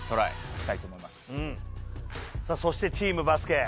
さぁそしてチームバスケ。